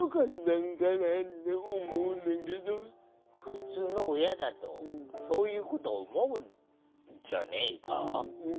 普通の親だとそういうこと思うんじゃねえか？